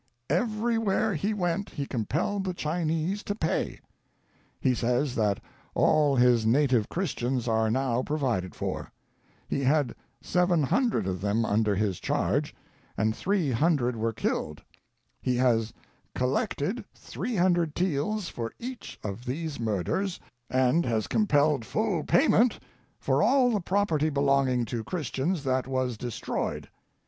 Everywhere he went he com pelled the Chinese to pay. He says that all his native Christians are now provided for. He had 700 of them under his charge, and 300 were killed. He has collected 300 taels for each of these murders, and has compelled full payment for all the property belonging to Christians that was destroyed.